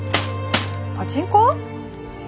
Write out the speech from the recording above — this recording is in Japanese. パチンコ？え